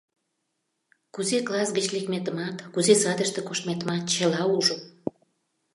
— Кузе класс гыч лекметымат, кузе садыште коштметымат — чыла ужым